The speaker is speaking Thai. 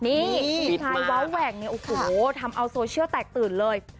นี่สีทายว้าวแหว่งทำเอาโซเชียลแตกตื่นเลย